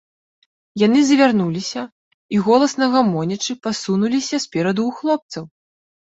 Яны завярнуліся і, голасна гамонячы, пасунуліся спераду ў хлопцаў.